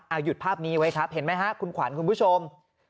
เอาหยุดภาพนี้ไว้ครับเห็นไหมฮะคุณขวัญคุณผู้ชม